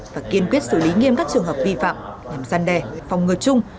và kiên quyết xử lý nghiêm các trường hợp vi phạm nhằm gian đề phòng ngừa chung